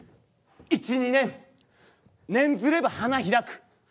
１２年「念ずれば花開く」。